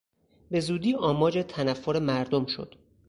به زودی آماج تنفر مردم شد.